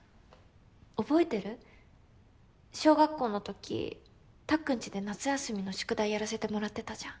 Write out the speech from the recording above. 覚えてる？小学校のときたっくんちで夏休みの宿題やらせてもらってたじゃん。